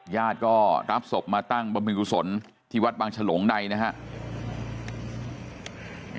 ญาติก็รับศพมาตั้งบำมือศนที่วัดบางฉลงใดนะฮะ